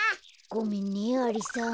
ごめんねアリさん。